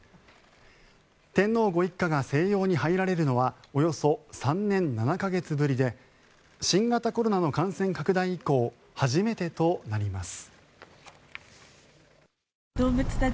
天皇ご一家が静養に入られるのはおよそ３年７か月ぶりで新型コロナの感染拡大以降初めてとなります。